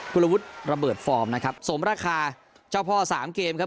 คุณวุฒิระเบิดฟอร์มนะครับสมราคาเจ้าพ่อสามเกมครับ